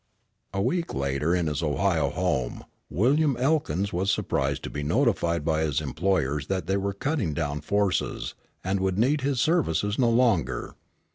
A week later in his Ohio home William Elkins was surprised to be notified by his employers that they were cutting down forces, and would need his services no longer.